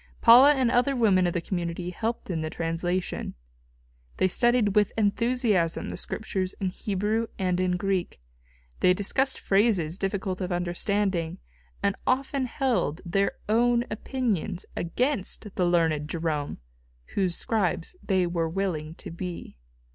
Paula and other women of the community helped in the translation. They studied with enthusiasm the Scriptures in Hebrew and in Greek; they discussed phrases difficult of understanding, and often held their own opinions against the learned Jerome whose scribes they were willing to be.